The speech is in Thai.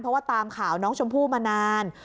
เพราะว่าตามข่าวน้องชมพู่มานาน